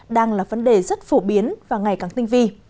đang là vấn đề rất phổ biến và ngày càng tinh vi